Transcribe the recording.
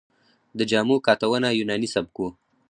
د جامو کاتونه یوناني سبک و